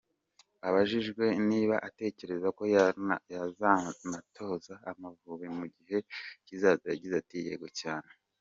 Abajijwe niba atekereza ko yazanatoza Amavubi mu gihe kizaza, yagize ati “Yego cyane.